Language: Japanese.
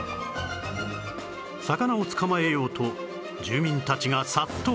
魚を捕まえようと住民たちが殺到